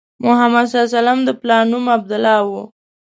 محمد صلی الله علیه وسلم د پلار نوم عبدالله و.